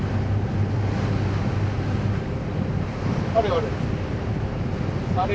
あれあれ。